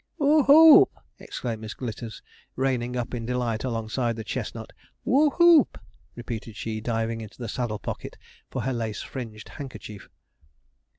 'Who hoop!' exclaimed Miss Glitters, reining up in delight alongside the chestnut. 'Who hoop!' repeated she, diving into the saddle pocket for her lace fringed handkerchief.